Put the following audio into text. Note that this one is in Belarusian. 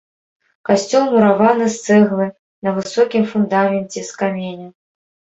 Касцёл мураваны з цэглы на высокім фундаменце з каменя.